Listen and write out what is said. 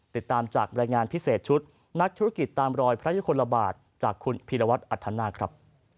ติดตามจากรายงานพิเศษชุดนักธุรกิจตามรอยพระยุคลบาทจากคุณพีรวัตรอัธนาคครับ